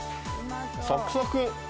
サクサク。